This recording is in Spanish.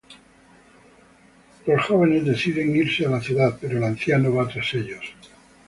Los jóvenes deciden irse a la ciudad pero el anciano va tras ellos.